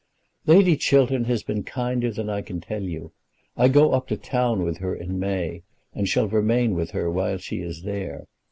Lady Chiltern has been kinder than I can tell you. I go up to town with her in May, and shall remain with her while she is there.